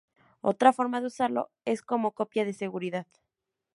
Otra forma de usarlo es como copia de seguridad.